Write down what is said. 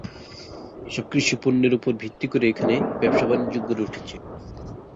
এসব কৃষি পণ্যের উপর ভিত্তি করে এখানে ব্যবসা বাণিজ্য গড়ে উঠেছে।